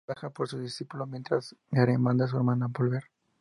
Gai baja a por su discípulo mientras Gaara manda a su hermana volver.